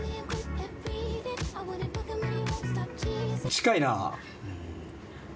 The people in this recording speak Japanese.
近いなあ。